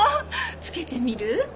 つけてみる？